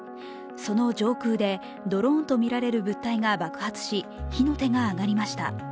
その上空でドローンとみられる物体が爆発し、火の手が上がりました。